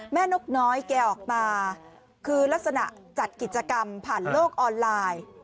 นกน้อยแกออกมาคือลักษณะจัดกิจกรรมผ่านโลกออนไลน์